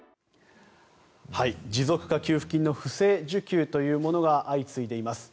持続化給付金の不正受給というものが相次いでいます。